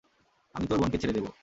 আমি তোর বোনকে ছেড়ে দেবো।